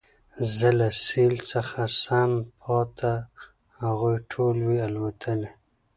زه له سېل څخه سم پاته هغوی ټول وي الوتلي